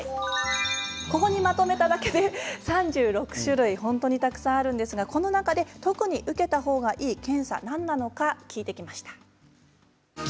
ここにまとめただけで３６種類、本当にたくさんあるんですがこの中で特に受けたほうがいい検査は何なのか聞いてきました。